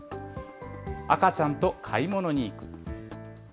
赤ちゃんと買い物に行く。